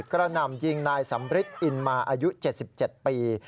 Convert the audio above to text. หน่ำยิงนายสำริทอินมาอายุ๗๗ปี